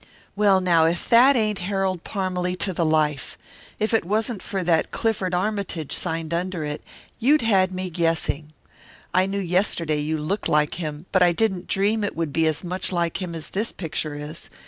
"Well, now, if that ain't Harold Parmalee to the life! If it wasn't for that Clifford Armytage signed under it, you'd had me guessing. I knew yesterday you looked like him, but I didn't dream it would be as much like him as this picture is.